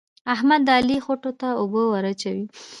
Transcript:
احمد د علي خوټو ته اوبه ور اچوي.